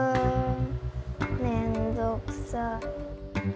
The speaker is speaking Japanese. めんどくさ。